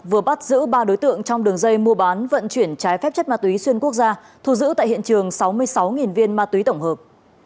vừa bắt giữ ba đối tượng trong đường dây mua bán vận chuyển trái phép chất ma túy xuyên quốc gia thu giữ tại hiện trường sáu mươi sáu viên ma túy tổng hợp